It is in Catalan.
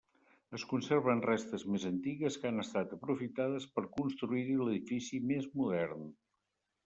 Es conserven restes més antigues que han estat aprofitades per construir-hi l'edifici més modern.